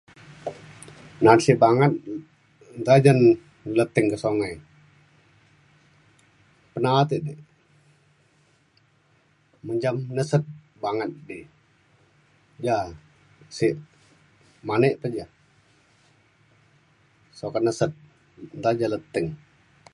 naat sik banget nta ja leting ka sungai. penaat ek di menjam neset banget di ja sik manek pa ja sukat neset nta ja leting